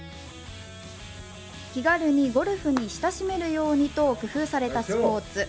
気軽にゴルフに親しめるようにと工夫されたスポーツ。